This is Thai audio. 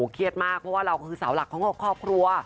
คือเสาหลักของครอบครัว